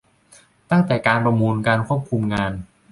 ตั้งแต่การประมูล การควบคุมงาน